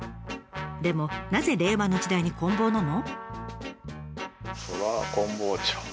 でもなぜ令和の時代にこん棒なの？